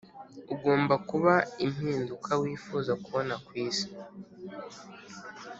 “ugomba kuba impinduka wifuza kubona ku isi”